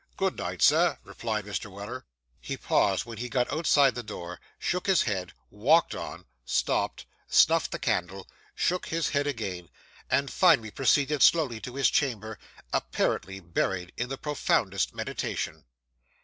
'Good night, Sir,' replied Mr. Weller. He paused when he got outside the door shook his head walked on stopped snuffed the candle shook his head again and finally proceeded slowly to his chamber, apparently buried in the profoundest meditation.